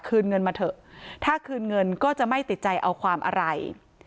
เงินมาเถอะถ้าคืนเงินก็จะไม่ติดใจเอาความอะไร